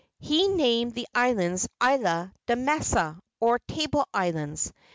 He named the islands Islas de Mesa, or Table Islands.